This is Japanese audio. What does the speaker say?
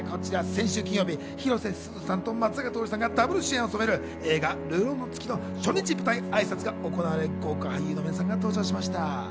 先週金曜日、広瀬すずさんと松坂桃李さんがダブル主演を務める映画『流浪の月』の初日舞台挨拶が行われ、豪華俳優の皆さんが登場しました。